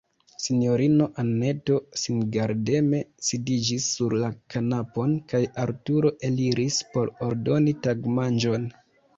Sinjorino Anneto singardeme sidiĝis sur la kanapon, kaj Arturo eliris, por ordoni tagmanĝon.